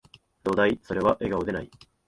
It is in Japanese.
どだい、それは、笑顔でない